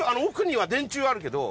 奧には電柱あるけど。